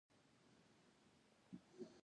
آیا په اخلاص او ایمان سره نه وي؟